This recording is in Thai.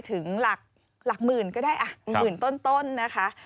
ถึงหลักหมื่นก็ได้หมื่นต้นนะคะ